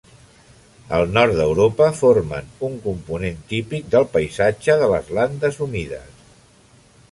Al nord d'Europa, formen un component típic del paisatge de les landes humides.